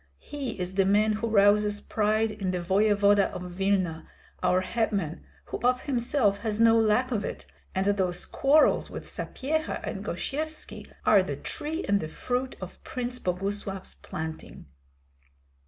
He is the man who rouses pride in the voevoda of Vilna, our hetman, who of himself has no lack of it; and those quarrels with Sapyeha and Gosyevski are the tree and the fruit of Prince Boguslav's planting."